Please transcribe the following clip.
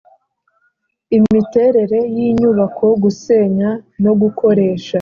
imiterere y inyubako gusenya no gukoresha